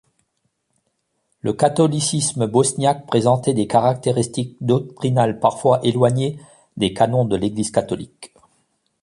Le catholicisme bosniaque présentait des caractéristiques doctrinales parfois éloignées des canons de l'Église catholique.